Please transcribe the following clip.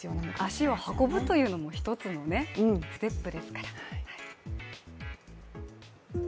足を運ぶというのも一つのステップですから。